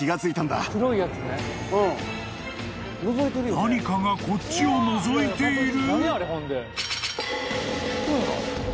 ［何かがこっちをのぞいている！？］